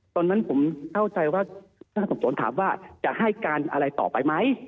ตอนนั้นผมเข้าใจว่าพนักงานสอบสวนถามว่าจะให้การอะไรต่อไปไหม